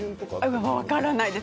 分からないんです。